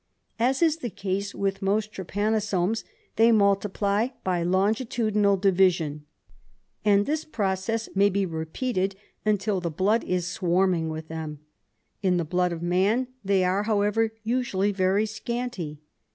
As is the case with most trypanu somes, they multiply by longitudinal division, and this pro cess may be repeated till the blood is swarming with them. In the blood of man they are, however, usually very scanty.